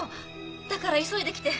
だから急いで来て。